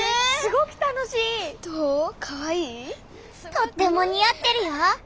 とってもにあってるよ。